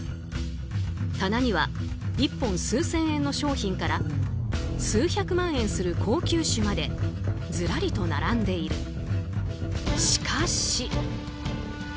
棚には、１本数千円の商品から数百万円する高級酒までずらりと並んでいる。